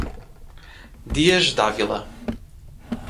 Dias D´ávila